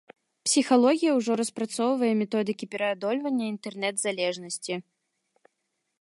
Псіхалогія ўжо распрацоўвае методыкі пераадольвання інтэрнэт-залежнасці.